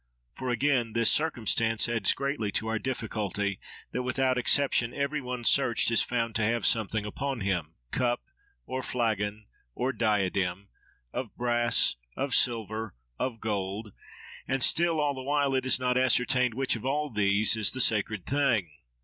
For, again, this circumstance adds greatly to our difficulty, that without exception every one searched is found to have something upon him—cup, or flagon, or diadem, of brass, of silver, of gold: and still, all the while, it is not ascertained which of all these is the sacred thing.